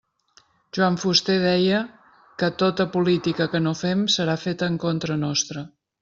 Joan Fuster deia que “tota política que no fem serà feta en contra nostra”.